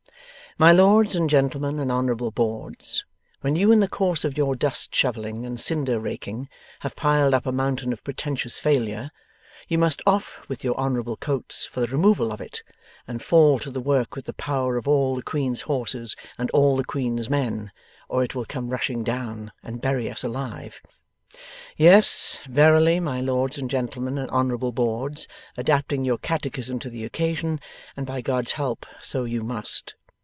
My lords and gentlemen and honourable boards, when you in the course of your dust shovelling and cinder raking have piled up a mountain of pretentious failure, you must off with your honourable coats for the removal of it, and fall to the work with the power of all the queen's horses and all the queen's men, or it will come rushing down and bury us alive. Yes, verily, my lords and gentlemen and honourable boards, adapting your Catechism to the occasion, and by God's help so you must.